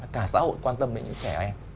cả xã hội quan tâm đến những trẻ em